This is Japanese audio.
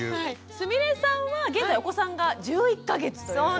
すみれさんは現在お子さんが１１か月ということで。